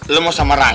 lo mau sama raya kan